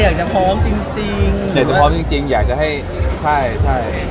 อยากจะพร้อมจริงจริงอยากจะพร้อมจริงจริงอยากจะให้ใช่ใช่